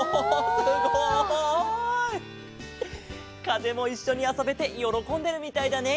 かぜもいっしょにあそべてよろこんでるみたいだね！